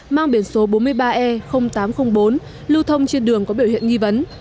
mang biển số bốn mươi ba e tám trăm linh bốn lưu thông trên đường có biểu hiện nghi vấn